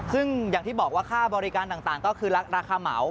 ซึ่งอย่างที่บอกว่าค่าบริการต่างก็คือราคาเหมา